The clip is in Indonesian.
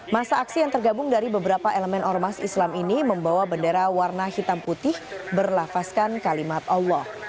masa aksi yang tergabung dari beberapa elemen ormas islam ini membawa bendera warna hitam putih berlafaskan kalimat allah